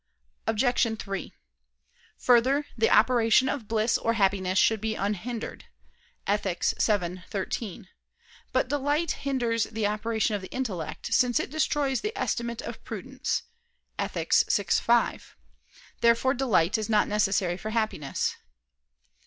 Obj. 3: Further, the "operation of bliss or happiness should be unhindered" (Ethic. vii, 13). But delight hinders the operation of the intellect: since it destroys the estimate of prudence (Ethic. vi, 5). Therefore delight is not necessary for happiness.